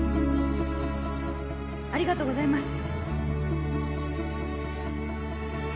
ありがとうございます